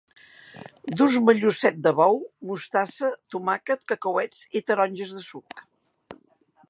Dus-me llucet de bou, mostassa, tomàquet, cacauets i taronges de suc